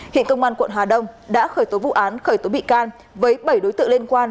hiện công an quận hà đông đã khởi tố vụ án khởi tố bị can với bảy đối tượng liên quan